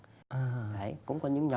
đấy cũng có những nhóm